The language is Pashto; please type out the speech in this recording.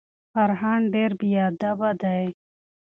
فرهان ډیر بیادبه دی.